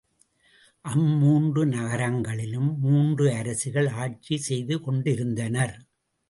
அம்மூன்று நகரங்களிலும் மூன்று அரசிகள் ஆட்சி செய்து கொண்டிருந்தனர்.